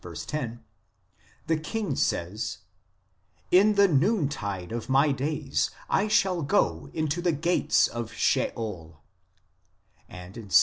10) the king says : "In the noontide of my days I shall go into the gates of Sheol," and in Ps.